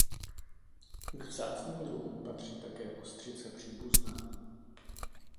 K vzácným druhům patří také ostřice příbuzná.